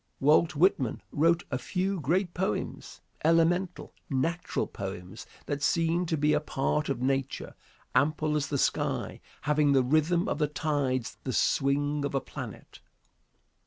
Walt Whitman wrote a few great poems, elemental, natural poems that seem to be a part of nature, ample as the sky, having the rhythm of the tides, the swing of a planet.